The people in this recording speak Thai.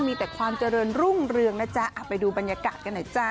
มีแต่ความเจริญรุ่งเรืองนะจ๊ะไปดูบรรยากาศกันหน่อยจ้า